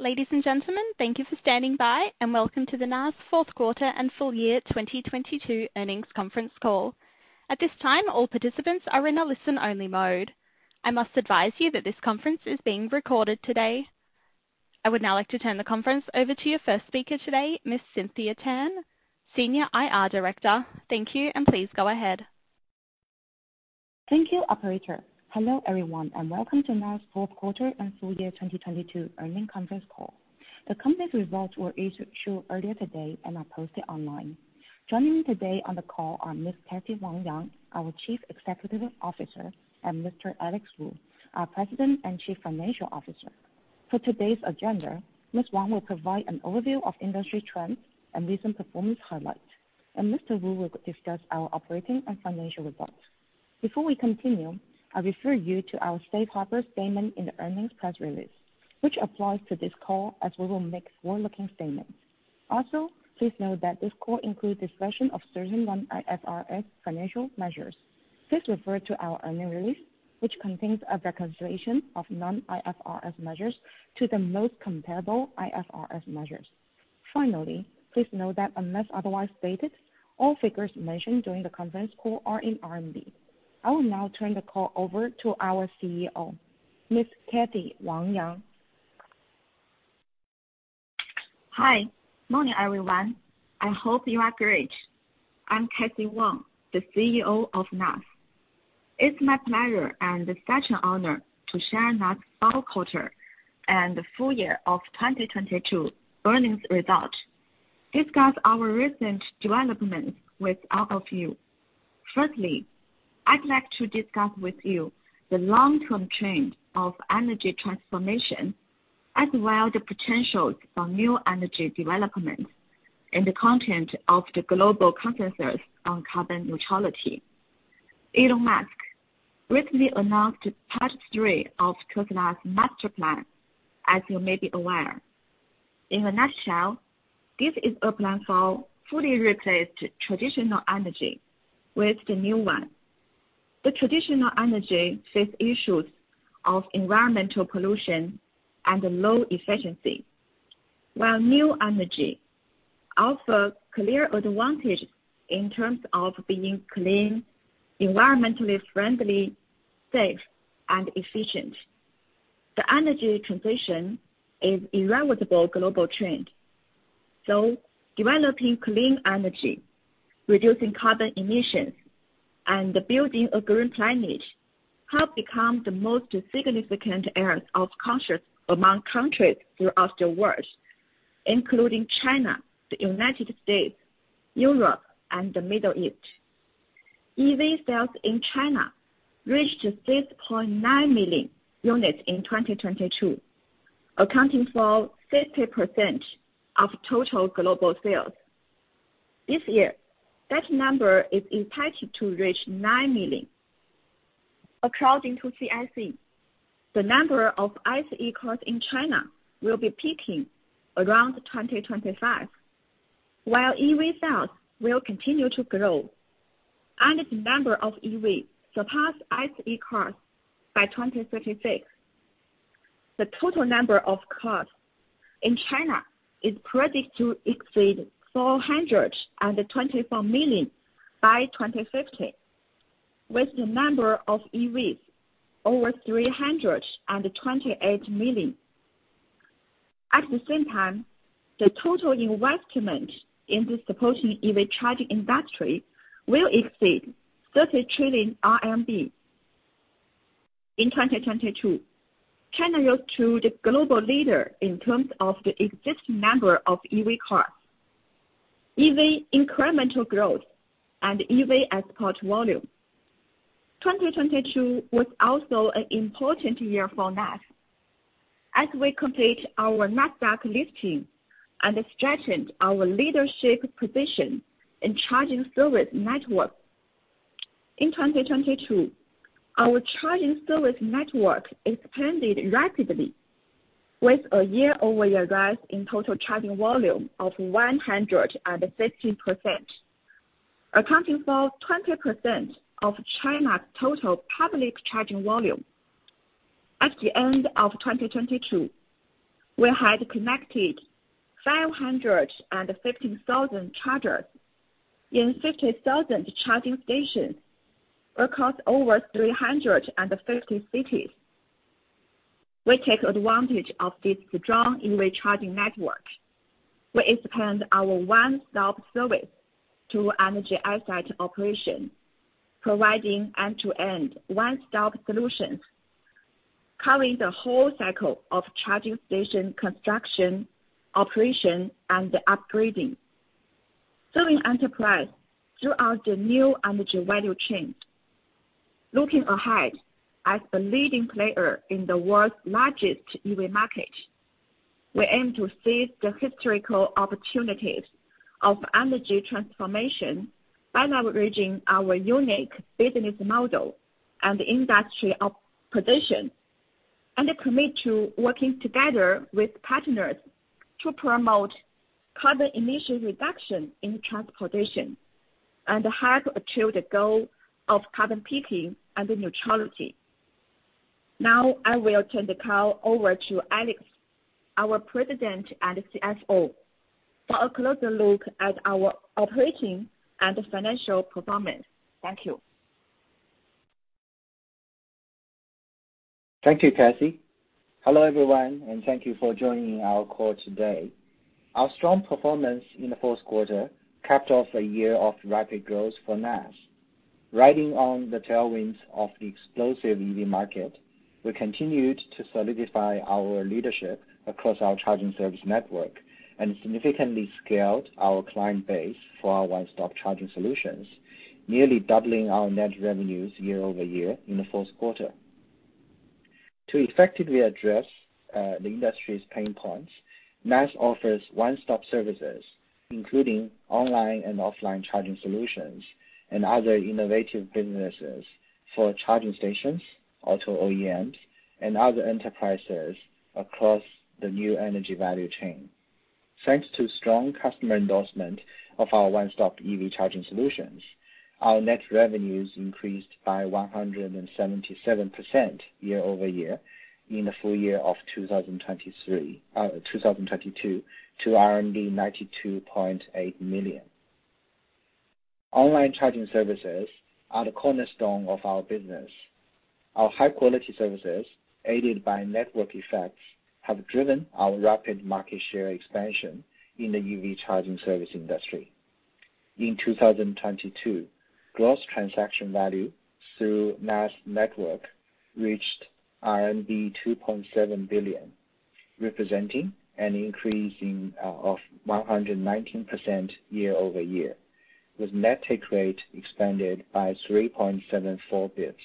Ladies and gentlemen, thank you for standing by, and welcome to the NaaS fourth quarter and full year 2022 earnings conference call. At this time, all participants are in a listen-only mode. I must advise you that this conference is being recorded today. I would now like to turn the conference over to your first speaker today, Miss Cynthia Tan, Senior IR Director. Thank you, and please go ahead. Thank you, operator. Hello, everyone, welcome to NaaS fourth quarter and full year 2022 earnings conference call. The company's results were issued earlier today and are posted online. Joining me today on the call are Ms. Cathy Wang Yang, our Chief Executive Officer, and Mr. Alex Wu, our President and Chief Financial Officer. For today's agenda, Ms. Wang will provide an overview of industry trends and recent performance highlights, Mr. Wu will discuss our operating and financial reports. Before we continue, I refer you to our safe harbor statement in the earnings press release, which applies to this call as we will make forward-looking statements. Please note that this call includes discussion of certain non-IFRS financial measures. Please refer to our earnings release, which contains a reconciliation of non-IFRS measures to the most comparable IFRS measures. Finally, please note that unless otherwise stated, all figures mentioned during the conference call are in CNY. I will now turn the call over to our CEO, Miss Cathy Wang Yang. Hi. Morning, everyone. I hope you are great. I'm Cathy Wang Yang, the CEO of NaaS. It's my pleasure and such an honor to share NaaS fourth quarter and the full year of 2022 earnings results, discuss our recent developments with all of you. Firstly, I'd like to discuss with you the long-term trend of energy transformation as well the potentials for new energy development in the context of the global conferences on carbon neutrality. Elon Musk recently announced Part 3 of Tesla's master plan, as you may be aware. In a nutshell, this is a plan for fully replace traditional energy with the new one. The traditional energy face issues of environmental pollution and low efficiency. While new energy offer clear advantage in terms of being clean, environmentally friendly, safe, and efficient. The energy transition is irrevocable global trend. Developing clean energy, reducing carbon emissions, and building a green planet have become the most significant areas of conscious among countries throughout the world, including China, the United States, Europe, and the Middle East. EV sales in China reached 6.9 million units in 2022, accounting for 50% of total global sales. This year, that number is expected to reach 9 million. According to CIC, the number of ICE cars in China will be peaking around 2025, while EV sales will continue to grow, and the number of EV surpass ICE cars by 2036. The total number of cars in China is predicted to exceed 424 million by 2050, with the number of EV over 328 million. At the same time, the total investment in the supporting EV charging industry will exceed 30 trillion RMB. In 2022, China rose to the global leader in terms of the existing number of EV cars, EV incremental growth, and EV export volume. 2022 was also an important year for NaaS. As we complete our Nasdaq listing and strengthened our leadership position in charging service network. In 2022, our charging service network expanded rapidly with a year-over-year rise in total charging volume of 150%, accounting for 20% of China's total public charging volume. At the end of 2022, we had connected 550,000 chargers in 50,000 charging stations across over 350 cities. We take advantage of this strong EV charging network. We expand our one-stop service to Energy as a Service operation, providing end-to-end one-stop solutions, covering the whole cycle of charging station construction, operation, and upgrading. Serving enterprise throughout the new energy value chain. Looking ahead, as the leading player in the world's largest EV market, we aim to seize the historical opportunities of energy transformation by leveraging our unique business model and industry of position, and commit to working together with partners to promote carbon emission reduction in transportation and help achieve the goal of carbon peaking and neutrality. Now I will turn the call over to Alex, our President and CFO, for a closer look at our operating and financial performance. Thank you. Thank you, Cathy. Hello, everyone, thank you for joining our call today. Our strong performance in the fourth quarter capped off a year of rapid growth for NaaS. Riding on the tailwinds of the explosive EV market, we continued to solidify our leadership across our charging service network and significantly scaled our client base for our one-stop charging solutions, nearly doubling our net revenues year-over-year in the fourth quarter. To effectively address the industry's pain points, NaaS offers one-stop services, including online and offline charging solutions and other innovative businesses for charging stations, auto OEMs, and other enterprises across the new energy value chain. Thanks to strong customer endorsement of our one-stop EV charging solutions, our net revenues increased by 177% year-over-year in the full year of 2022 to 92.8 million. Online charging services are the cornerstone of our business. Our high-quality services, aided by network effects, have driven our rapid market share expansion in the EV charging service industry. In 2022, gross transaction value through NaaS network reached RMB 2.7 billion, representing an increase of 119% year-over-year, with net take rate expanded by 3.74 bits.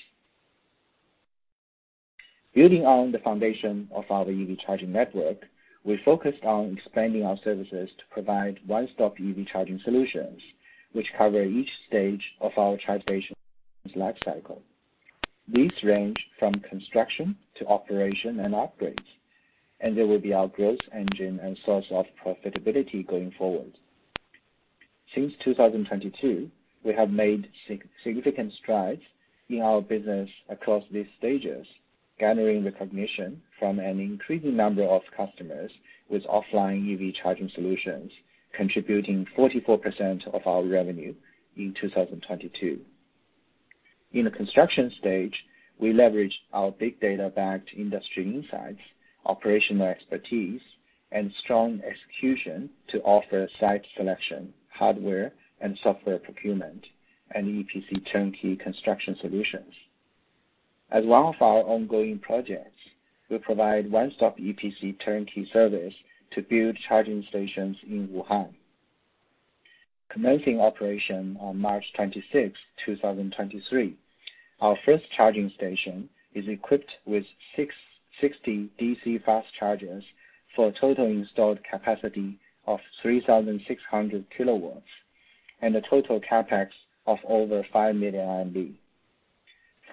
Building on the foundation of our EV charging network, we focused on expanding our services to provide one-stop EV charging solutions, which cover each stage of our charge station's life cycle. These range from construction to operation and upgrades. They will be our growth engine and source of profitability going forward. Since 2022, we have made significant strides in our business across these stages, garnering recognition from an increasing number of customers with offline EV charging solutions, contributing 44% of our revenue in 2022. In the construction stage, we leveraged our big data-backed industry insights, operational expertise, and strong execution to offer site selection, hardware and software procurement, and EPC turnkey construction solutions. As one of our ongoing projects, we provide one-stop EPC turnkey service to build charging stations in Wuhan. Commencing operation on March 26, 2023, our first charging station is equipped with 660 DC fast chargers for a total installed capacity of 3,600 kW and a total CapEx of over 5 million RMB.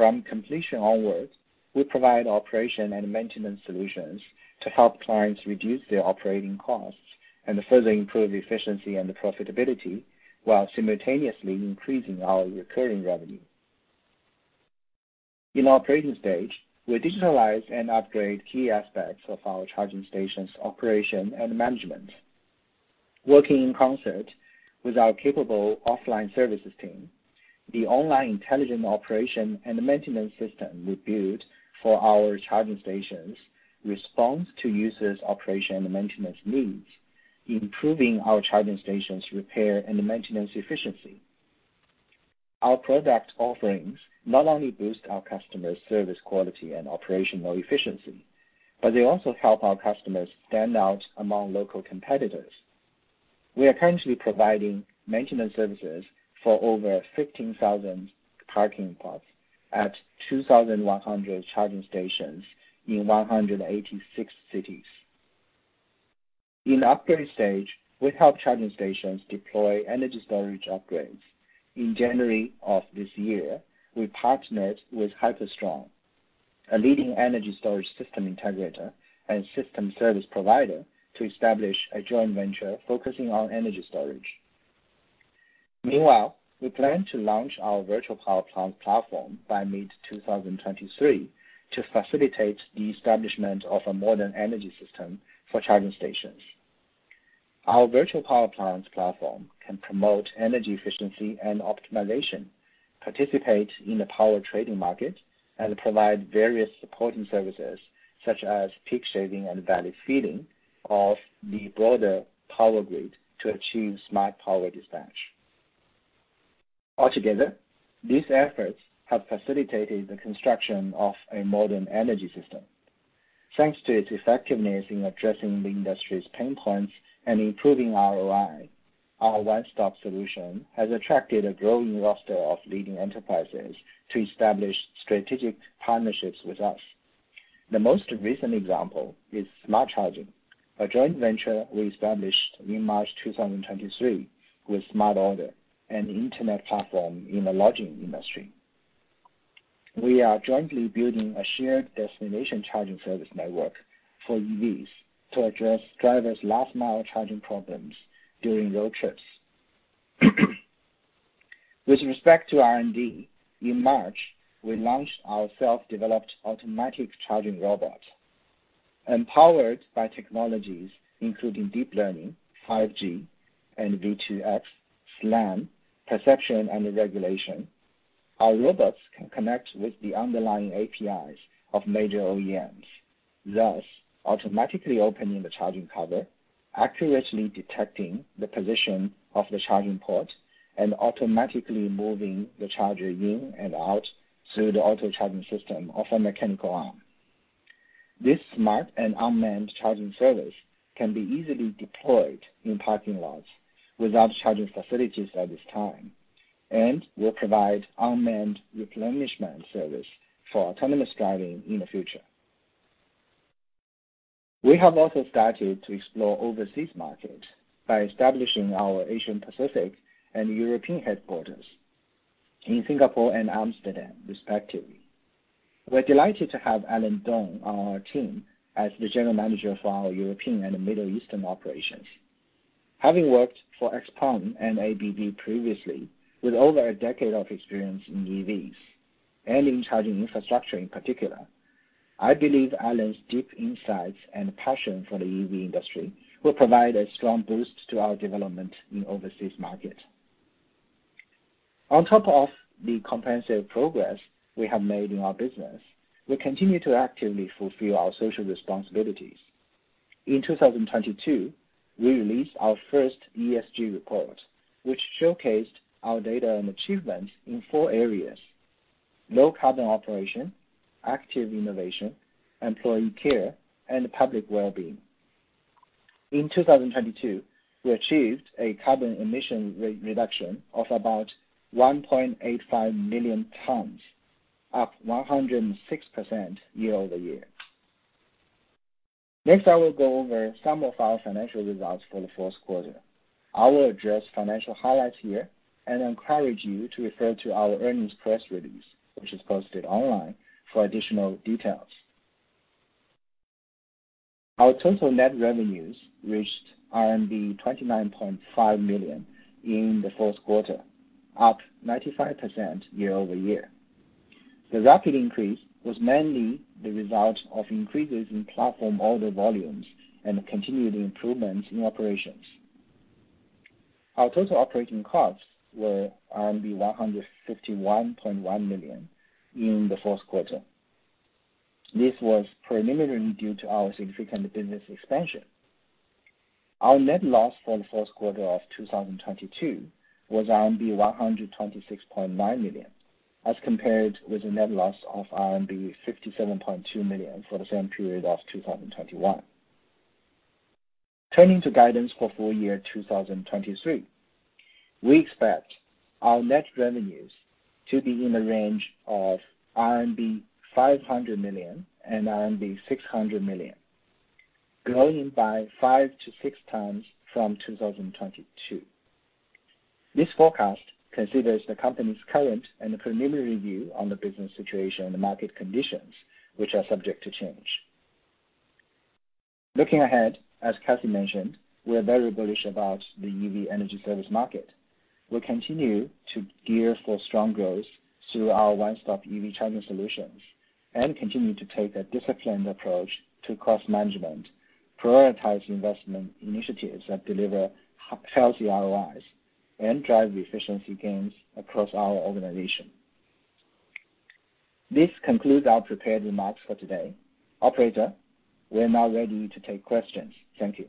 From completion onwards, we provide operation and maintenance solutions to help clients reduce their operating costs and further improve efficiency and profitability while simultaneously increasing our recurring revenue. In our operating stage, we digitalize and upgrade key aspects of our charging stations' operation and management. Working in concert with our capable offline services team, the online intelligent operation and maintenance system we built for our charging stations responds to users' operation and maintenance needs, improving our charging stations' repair and maintenance efficiency. Our product offerings not only boost our customers' service quality and operational efficiency, but they also help our customers stand out among local competitors. We are currently providing maintenance services for over 15,000 parking spots at 2,100 charging stations in 186 cities. In upgrade stage, we help charging stations deploy energy storage upgrades. In January of this year, we partnered with HyperStrong, a leading energy storage system integrator and system service provider, to establish a joint venture focusing on energy storage. Meanwhile, we plan to launch our virtual power plant platform by mid-2023 to facilitate the establishment of a modern energy system for charging stations. Our virtual power plants platform can promote energy efficiency and optimization, participate in the power trading market, and provide various supporting services such as peak shaving and valley filling of the broader power grid to achieve smart power dispatch. Altogether, these efforts have facilitated the construction of a modern energy system. Thanks to its effectiveness in addressing the industry's pain points and improving ROI, our one-stop solution has attracted a growing roster of leading enterprises to establish strategic partnerships with us. The most recent example is Smart Charging, a joint venture we established in March 2023 with Smart Order, an internet platform in the lodging industry. We are jointly building a shared destination charging service network for EVs to address drivers' last mile charging problems during road trips. With respect to R&D, in March, we launched our self-developed automatic charging robot. Empowered by technologies including deep learning, 5G and V2X, SLAM, perception and regulation, our robots can connect with the underlying APIs of major OEMs, thus automatically opening the charging cover, accurately detecting the position of the charging port, and automatically moving the charger in and out through the auto charging system of a mechanical arm. This smart and unmanned charging service can be easily deployed in parking lots without charging facilities at this time and will provide unmanned replenishment service for autonomous driving in the future. We have also started to explore overseas markets by establishing our Asian Pacific and European headquarters in Singapore and Amsterdam respectively. We're delighted to have Allen Dong on our team as the General Manager for our European and Middle Eastern operations. Having worked for XPeng and ABB previously, with over a decade of experience in EVs and in charging infrastructure in particular, I believe Allen's deep insights and passion for the EV industry will provide a strong boost to our development in overseas markets. On top of the comprehensive progress we have made in our business, we continue to actively fulfill our social responsibilities. In 2022, we released our first ESG report, which showcased our data and achievements in four areas: Low Carbon Operation, Active Innovation, Employee Care, and Public Well-Being. In 2022, we achieved a carbon emission reduction of about 1.85 million tons, up 106% year-over-year. Next, I will go over some of our financial results for the first quarter. I will address financial highlights here and encourage you to refer to our earnings press release, which is posted online, for additional details. Our total net revenues reached RMB 29.5 million in the first quarter, up 95% year-over-year. The rapid increase was mainly the result of increases in platform order volumes and continued improvements in operations. Our total operating costs were RMB 151.1 million in the first quarter. This was preliminary due to our significant business expansion. Our net loss for the first quarter of 2022 was RMB 126.9 million, as compared with a net loss of RMB 57.2 million for the same period of 2021. Turning to guidance for full year 2023, we expect our net revenues to be in the range of 500 million-600 million RMB, growing by 5x-6x from 2022. This forecast considers the company's current and preliminary view on the business situation and the market conditions, which are subject to change. Looking ahead, as Cathy mentioned, we are very bullish about the EV energy service market. We'll continue to gear for strong growth through our one-stop EV charging solutions and continue to take a disciplined approach to cost management, prioritize investment initiatives that deliver healthy ROIs, and drive efficiency gains across our organization. This concludes our prepared remarks for today. Operator, we are now ready to take questions. Thank you.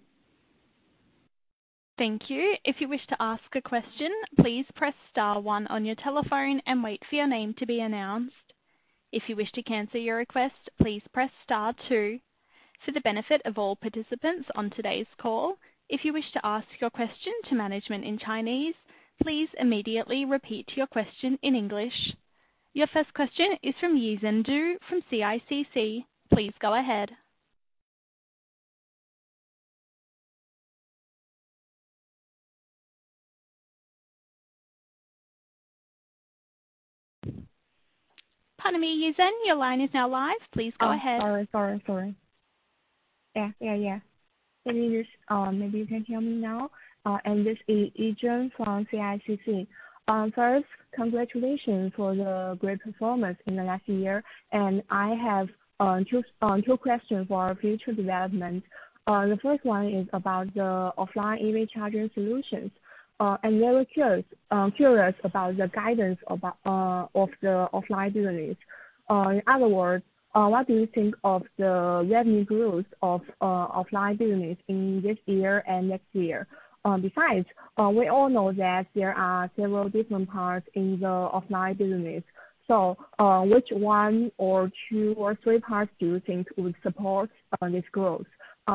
Thank you. If you wish to ask a question, please press star one on your telephone and wait for your name to be announced. If you wish to cancel your request, please press star two. For the benefit of all participants on today's call, if you wish to ask your question to management in Chinese, please immediately repeat your question in English. Your first question is from Yizhen Du from CICC. Please go ahead. Pardon me, Yizhen, your line is now live. Please go ahead. Sorry, sorry. Yeah, yeah. Maybe just, maybe you can hear me now. This is Yizhen from CICC. First, congratulations for the great performance in the last year. I have two questions for our future development. The first one is about the offline EV charging solutions. I'm very curious about the guidance of the offline business. In other words, what do you think of the revenue growth of offline business in this year and next year? Besides, we all know that there are several different parts in the offline business. Which 1 or 2 or 3 parts do you think would support this growth?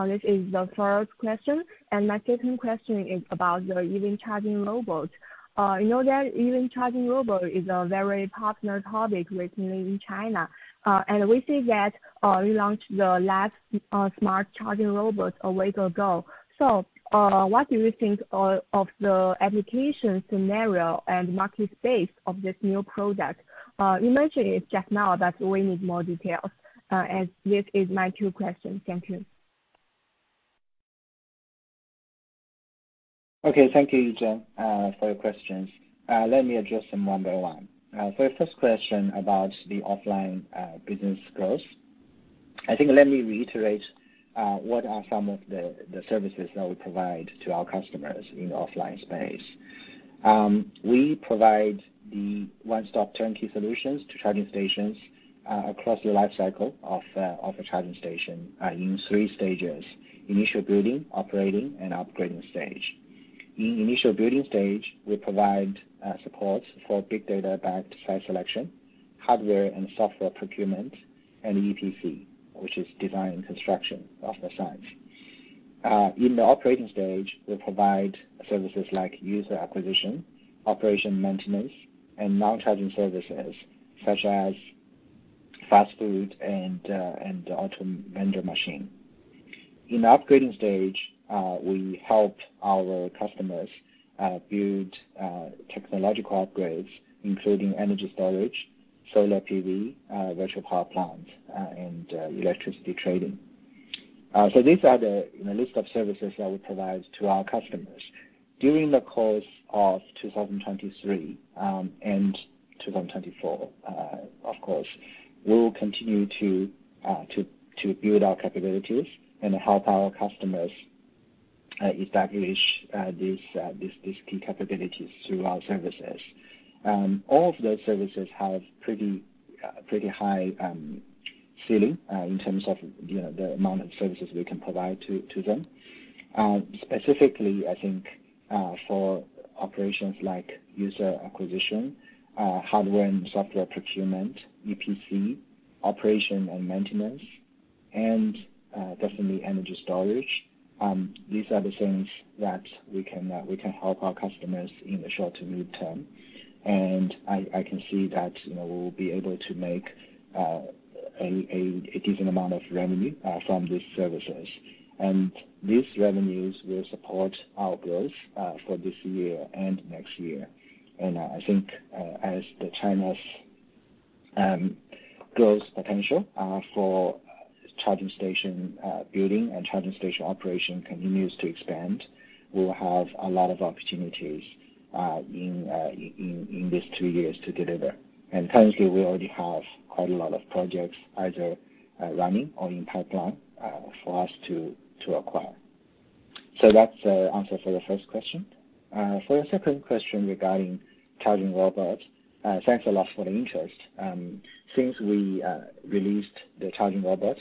This is the first question. My second question is about your EV charging robots. You know that EV charging robot is a very popular topic recently in China. We see that you launched the last smart charging robot a week ago. What do you think of the application scenario and market space of this new product? You mentioned it just now, but we need more details. This are my two questions. Thank you. Okay, thank you, Yizhen, for your questions. Let me address them one by one. For your first question about the offline business growth, I think let me reiterate what are some of the services that we provide to our customers in offline space. We provide the one-stop turnkey solutions to charging stations across the life cycle of a charging station in three stages: Initial Building, Operating, and Upgrading Stage. In Initial Building stage, we provide supports for big data-backed site selection, hardware and software procurement, and EPC, which is design and construction of the sites. In the Operating stage, we provide services like user acquisition, operation maintenance, and non-charging services such as fast food and auto vendor machine. In Upgrading stage, we helped our customers build technological upgrades, including energy storage, solar PV, virtual power plant, and electricity trading. These are the, you know, list of services that we provide to our customers. During the course of 2023 and 2024, of course, we will continue to build our capabilities and help our customers establish these key capabilities through our services. All of those services have pretty pretty high ceiling in terms of, you know, the amount of services we can provide to them. Specifically, I think, for operations like user acquisition, hardware and software procurement, EPC, operation and maintenance, and definitely energy storage, these are the things that we can help our customers in the short to mid-term. I can see that, you know, we will be able to make a decent amount of revenue from these services. These revenues will support our growth for this year and next year. I think, as China's growth potential for charging station building and charging station operation continues to expand, we will have a lot of opportunities in this two years to deliver. Currently, we already have quite a lot of projects either running or in pipeline for us to acquire. That's the answer for the first question. For the second question regarding charging robot, thanks a lot for the interest. Since we released the charging robot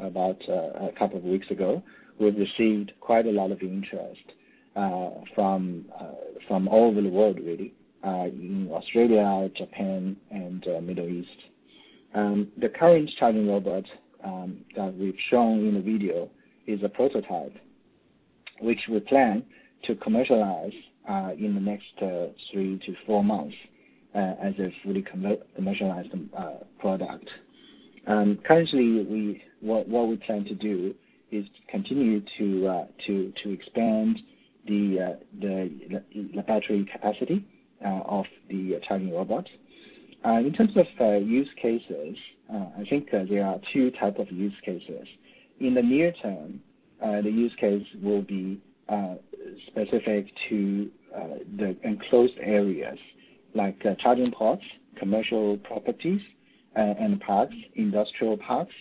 about a couple of weeks ago, we've received quite a lot of interest from all over the world, really, in Australia, Japan and Middle East. The current charging robot that we've shown in the video is a prototype which we plan to commercialize in the next 3 months-4 months as a fully commercialized product. Currently, what we plan to do is continue to expand the battery capacity of the charging robot. In terms of use cases, I think there are two type of use cases. In the near term, the use case will be specific to the enclosed areas like charging ports, commercial properties, and parks, industrial parks.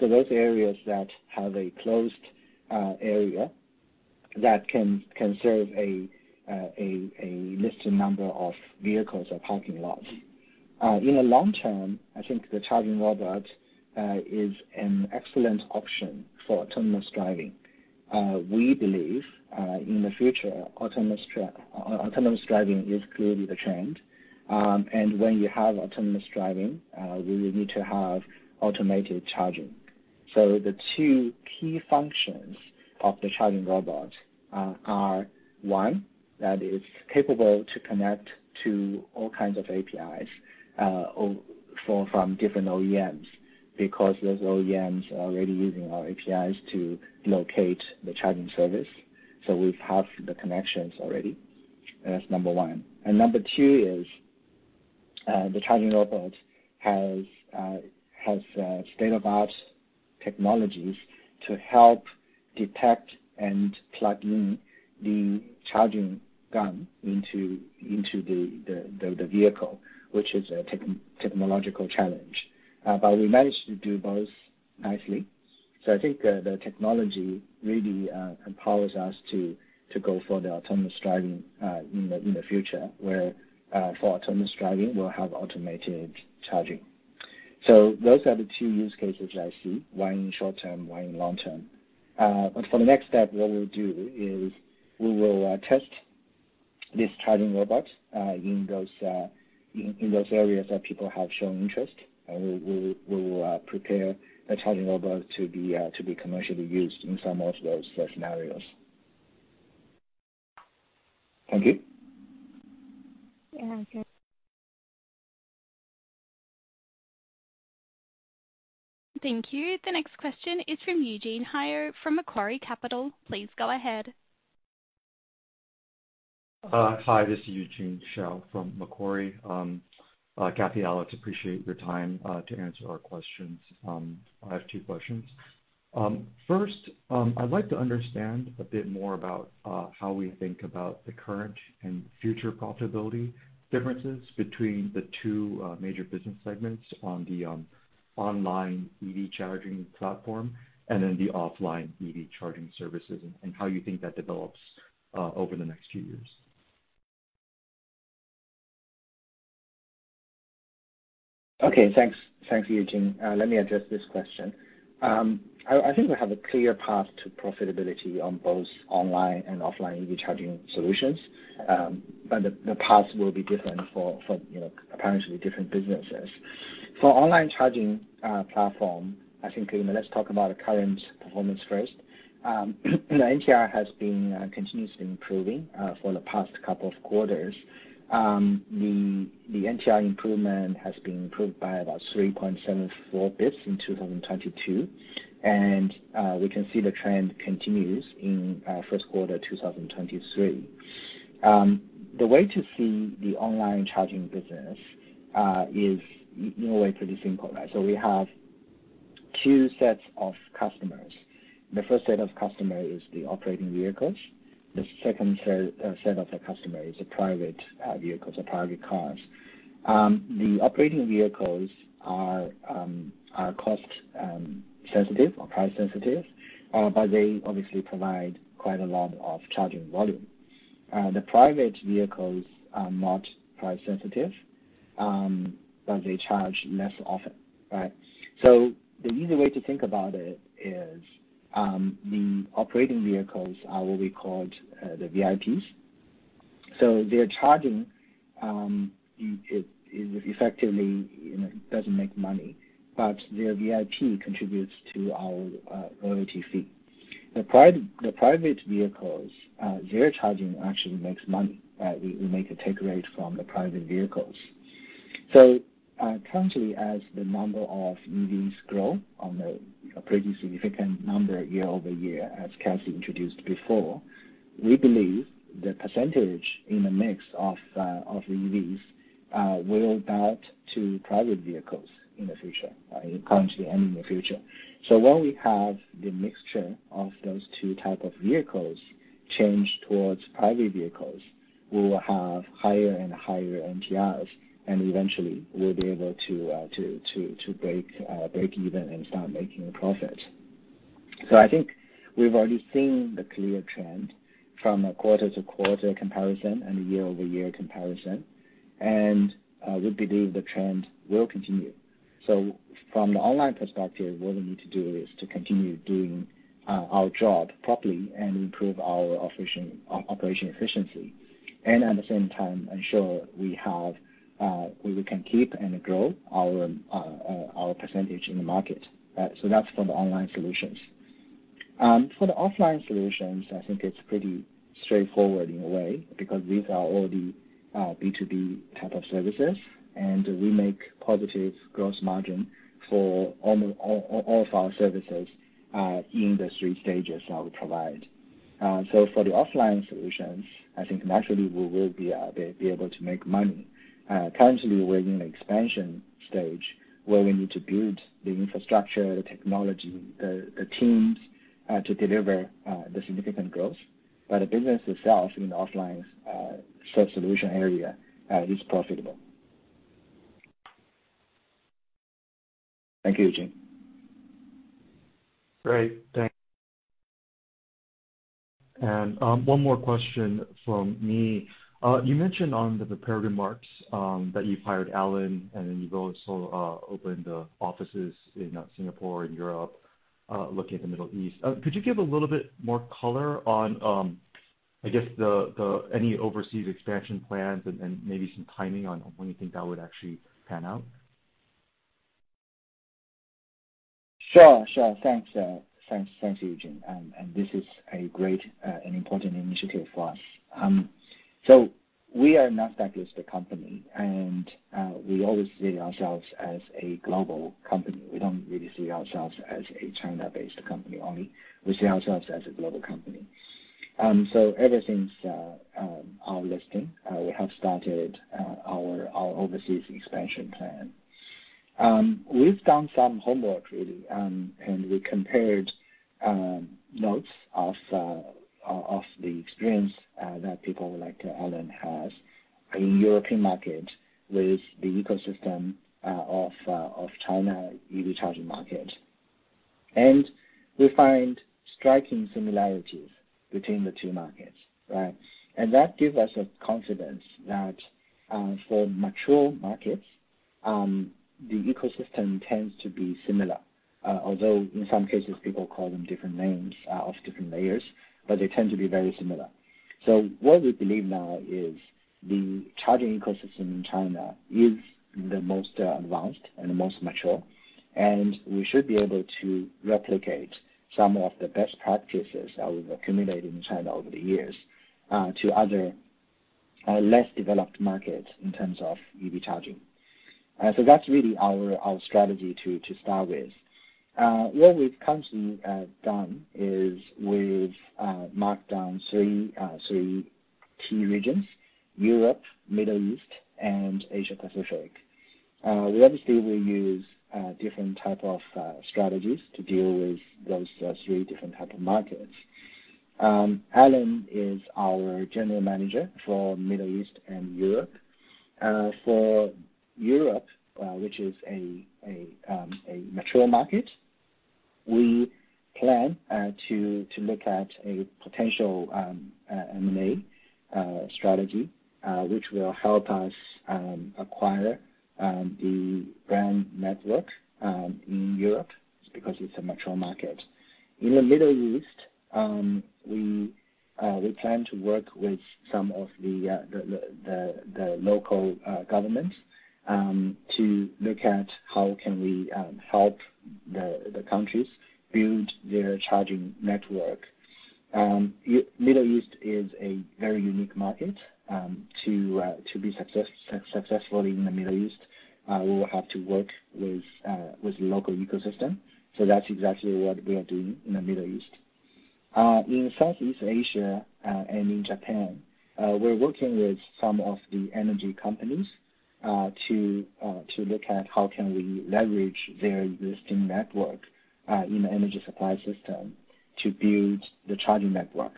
Those areas that have a closed area that can serve a listed number of vehicles or parking lots. In the long term, I think the charging robot is an excellent option for autonomous driving. We believe in the future, autonomous driving is clearly the trend. When you have autonomous driving, we will need to have automated charging. The two key functions of the charging robot are, one, that it's capable to connect to all kinds of APIs from different OEMs, because those OEMs are already using our APIs to locate the charging service. We have the connections already. That's number one. Number two is, the charging robot has state-of-the-art technologies to help detect and plug in the charging gun into the vehicle, which is a technological challenge. We managed to do both nicely. I think the technology really empowers us to go for the autonomous driving in the future, where for autonomous driving we'll have automated charging. Those are the two use cases I see, one in short term, one in long term. For the next step, what we'll do is we will test these charging robots in those in those areas that people have shown interest, and we will prepare the charging robot to be commercially used in some of those scenarios. Thank you. Yeah, okay. Thank you. The next question is from Eugene Hsiao from Macquarie Capital. Please go ahead. Hi, this is Eugene Hsiao from Macquarie. Cathy, Alex, appreciate your time to answer our questions. I have two questions. First, I'd like to understand a bit more about how we think about the current and future profitability differences between the two major business segments on the online EV charging platform and then the offline EV charging services and how you think that develops over the next few years? Okay. Thanks Eugene. Let me address this question. I think we have a clear path to profitability on both online and offline EV charging solutions. The paths will be different for, you know, apparently different businesses. For online charging platform, I think, you know, let's talk about the current performance first. The NTR has been continuously improving for the past couple of quarters. The NTR improvement has been improved by about 3.74 bits in 2022, and we can see the trend continues in first quarter 2023. The way to see the online charging business is in a way pretty simple, right? We have two sets of customers. The first set of customer is the operating vehicles. The second set of the customer is the private vehicles or private cars. The operating vehicles are cost sensitive or price sensitive, but they obviously provide quite a lot of charging volume. The private vehicles are not price sensitive, but they charge less often, right? The easy way to think about it is the operating vehicles are what we called the VIP. Their charging, it effectively, you know, doesn't make money, but their VIP contributes to our royalty fee. The private vehicles, their charging actually makes money, right? We make a take rate from the private vehicles. Currently as the number of EVs grow on a pretty significant number year-over-year, as Cathy introduced before, we believe the percentage in the mix of EVs will bout to private vehicles in the future, currently and in the future. While we have the mixture of those two type of vehicles change towards private vehicles, we will have higher and higher NTRs, and eventually we'll be able to break even and start making a profit. I think we've already seen the clear trend from a quarter-to-quarter comparison and a year-over-year comparison, and we believe the trend will continue. From the online perspective, what we need to do is to continue doing our job properly and improve our operation efficiency, and at the same time ensure we have, we can keep and grow our percentage in the market. That's for the online solutions. For the offline solutions, I think it's pretty straightforward in a way because these are all the B2B type of services, and we make positive gross margin for all of our services in the three stages that we provide. For the offline solutions, I think naturally we will be able to make money. Currently, we're in the expansion stage where we need to build the infrastructure, the technology, the teams, to deliver the significant growth. The business itself in the offline, self-solution area, is profitable. Thank you, Eugene. Great. Thanks. One more question from me. You mentioned on the prepared remarks, that you've hired Allen, and then you've also opened offices in Singapore and Europe, looking at the Middle East. Could you give a little bit more color on, I guess the any overseas expansion plans and, maybe some timing on when you think that would actually pan out? Sure. Sure. Thanks, Eugene. This is a great and important initiative for us. We are not that listed company. We always see ourselves as a global company. We don't really see ourselves as a China-based company only. We see ourselves as a global company. Ever since our listing, we have started our overseas expansion plan. We've done some homework really, we compared notes of the experience that people like Allen has in European market with the ecosystem of China EV charging market. We find striking similarities between the two markets, right? That give us a confidence that for mature markets, the ecosystem tends to be similar, although in some cases people call them different names of different layers, but they tend to be very similar. What we believe now is the charging ecosystem in China is the most advanced and the most mature, and we should be able to replicate some of the best practices that we've accumulated in China over the years to other less developed markets in terms of EV charging. That's really our strategy to start with. What we've currently done is we've marked down three key regions, Europe, Middle East, and Asia-Pacific. We obviously will use different type of strategies to deal with those three different type of markets. Allen is our general manager for Middle East and Europe. For Europe, which is a mature market, we plan to look at a potential M&A strategy, which will help us acquire the brand network in Europe because it's a mature market. In the Middle East, we plan to work with some of the local government to look at how can we help the countries build their charging network. Middle East is a very unique market. To be successful in the Middle East, we will have to work with local ecosystem, so that's exactly what we are doing in the Middle East. In Southeast Asia, and in Japan, we're working with some of the energy companies to look at how can we leverage their existing network in the energy supply system to build the charging network,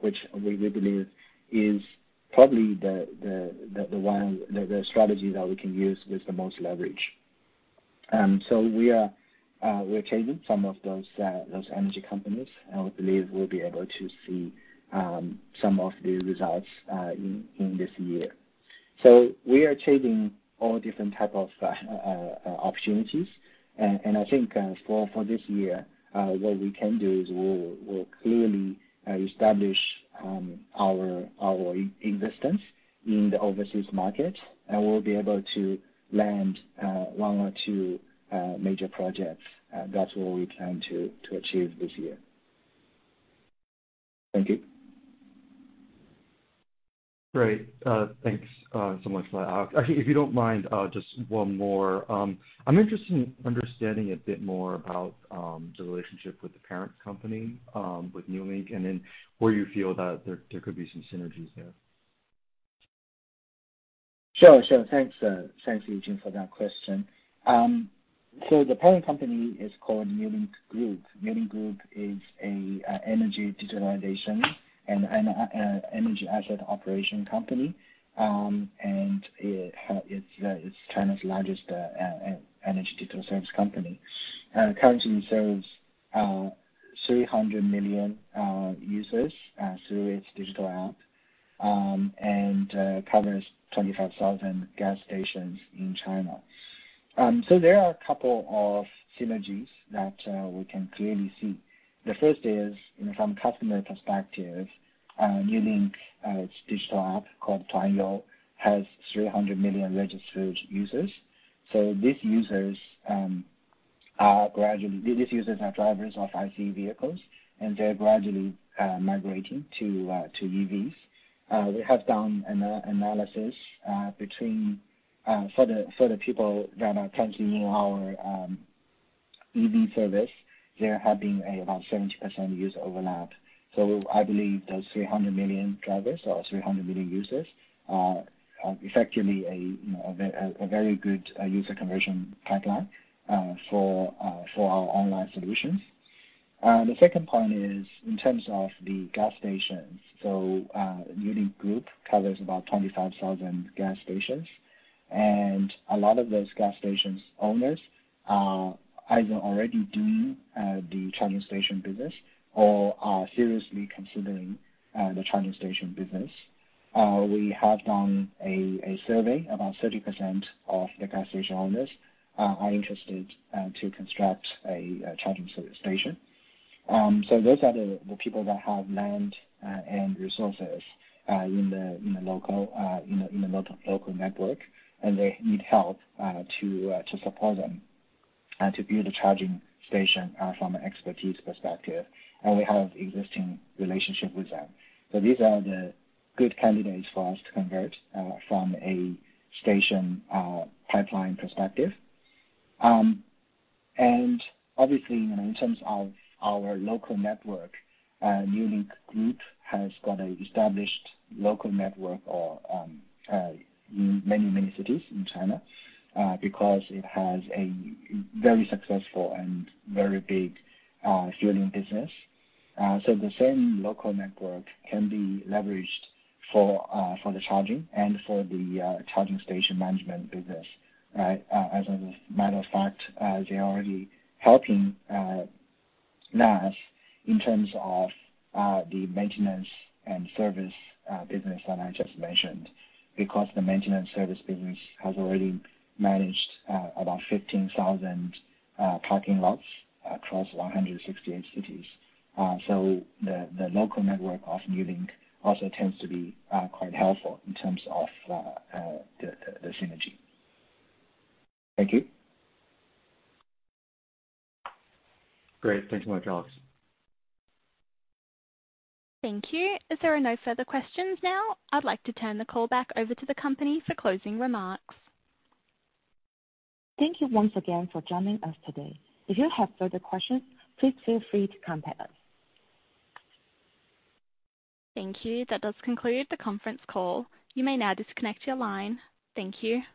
which we believe is probably the strategy that we can use with the most leverage. We are chasing some of those energy companies, and we believe we'll be able to see some of the results in this year. We are chasing all different type of opportunities. I think for this year, what we can do is we'll clearly establish our e-existence in the overseas market, and we'll be able to land one or two major projects. That's what we plan to achieve this year. Thank you. Great. thanks so much for that, Alex. Actually, if you don't mind, just one more. I'm interested in understanding a bit more about the relationship with the parent company, with NewLink, and then where you feel that there could be some synergies there. Sure. Sure. Thanks, thanks, Eugene, for that question. The parent company is called NewLink Group. NewLink Group is a energy digitalization and a energy asset operation company. It's China's largest energy digital service company. Currently serves 300 million users through its digital app and covers 25,000 gas stations in China. There are a couple of synergies that we can clearly see. The first is, you know, from customer perspective, NewLink, its digital app called Tuanyou, has 300 million registered users. These users are gradually. These users are drivers of IC vehicles, and they're gradually migrating to EVs. We have done analysis between for the people that are currently in our EV service, there have been about 70% user overlap. I believe those 300 million drivers or 300 million users are effectively a very good user conversion pipeline for our online solutions. The second point is in terms of the gas stations. NewLink Group covers about 25,000 gas stations, and a lot of those gas stations owners are either already doing the charging station business or are seriously considering the charging station business. We have done a survey. About 30% of the gas station owners are interested to construct a charging service station. Those are the people that have land and resources in the local network, and they need help to support them to build a charging station from an expertise perspective, and we have existing relationship with them. These are the good candidates for us to convert from a station pipeline perspective. Obviously, you know, in terms of our local network, NewLink Group has got an established local network in many cities in China, because it has a very successful and very big fueling business. The same local network can be leveraged for the charging and for the charging station management business, right? As a matter of fact, they are already helping us in terms of the maintenance and service business that I just mentioned because the maintenance service business has already managed about 15,000 parking lots across 168 cities. The local network of NewLink also tends to be quite helpful in terms of the synergy. Thank you. Great. Thank you much, Alex. Thank you. As there are no further questions now, I'd like to turn the call back over to the company for closing remarks. Thank you once again for joining us today. If you have further questions, please feel free to contact us. Thank you. That does conclude the conference call. You may now disconnect your line. Thank you.